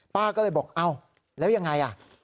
ป้าก็เลยบอกอ้าวแล้วยังไงอ่ะ